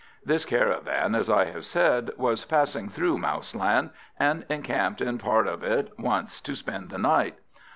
This caravan, as I have said, was passing through Mouseland, and encamped in part of it once to spend the night.